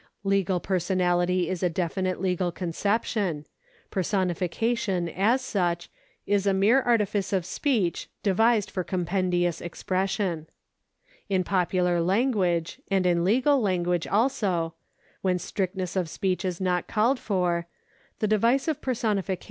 Legal personality is a definite legal conception ; personification, as such, is a mere artifice of speech devised for compendious expression. In popular language, and in legal language also, when strict ness of speech is not called for, the device of personification is 1 D. 8. 2. 26.